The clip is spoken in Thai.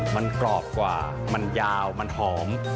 มันกรอบกว่ามันยาวมันหอม